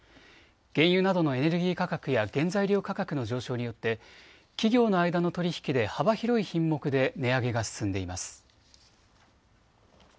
原油などのエネルギー価格や原材料価格の上昇によって企業の間の取り引きで幅広い品目で値上げが進んでいます。